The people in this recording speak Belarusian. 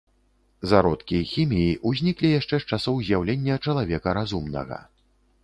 Зародкі хіміі ўзніклі яшчэ з часоў з'яўлення чалавека разумнага.